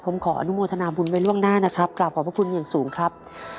ผมขออนุโมทนาบุญไว้ล่วงหน้านะครับกราบขอบพระคุณอย่างสูงครับ